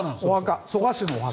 蘇我氏のお墓。